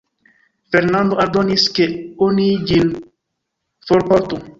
Fernando ordonis, ke oni ĝin forportu.